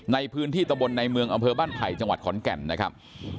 ในพื้นที่ตะบนในเมืองอำเภอบ้านไผ่จังหวัดขอนแก่นนะครับ